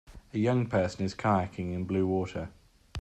A young person is kayaking in blue water.